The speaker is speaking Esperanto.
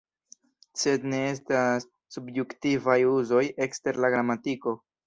Sed ne estas subjunktivaj uzoj ekster la gramatiko.